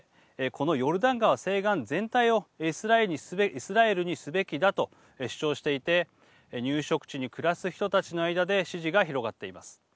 このヨルダン川、西岸全体をイスラエルにすべきだと主張していて入植地に暮らす人たちの間で支持が広がっています。